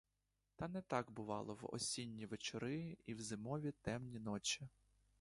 Та не так бувало в осінні вечори і в зимові темні ночі.